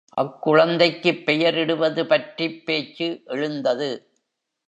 அக்குழந்தைக்குப் பெயர் இடுவது பற்றிப் பேச்சு எழுந்தது.